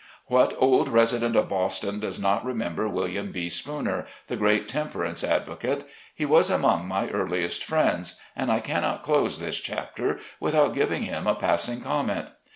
What old resident of Boston does not remember William B. Spooner, the great temperance advocate. He was among my earliest friends, and I cannot close this chapter without giving him a passing comment.